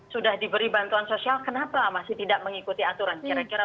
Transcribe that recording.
sudah diberi bantuan sosial kenapa masih tidak mengikuti aturan